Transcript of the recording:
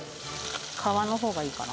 皮の方がいいかな。